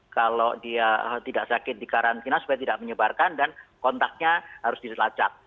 kalau dia tidak sakit di karantina supaya tidak menyebarkan dan kontaknya harus dilacak